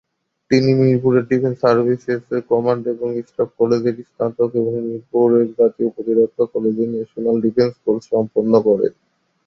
তিনি মিরপুরের defence services command এবং স্টাফ কলেজের স্নাতক এবং মিরপুর জাতীয় প্রতিরক্ষা কলেজে ন্যাশনাল ডিফেন্স কোর্স সম্পন্ন করেন।